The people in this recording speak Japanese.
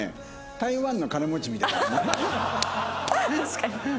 台湾の金持ちみたいだもん。